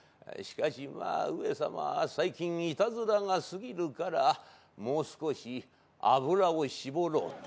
しかしまぁ上様は最近いたずらがすぎるからもう少し油を絞ろう。